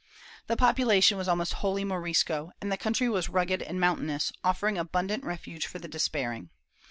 The population was almost wholly Morisco, and the country was rugged and mountainous, offering abundant refuge for the despairing.